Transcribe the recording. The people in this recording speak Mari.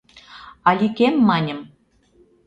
«Аликем» маньым.